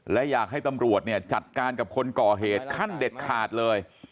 และอยากให้ตำรวจเนี่ยจัดการกับคนก่อเหตุขั้นเด็ดขาดเลย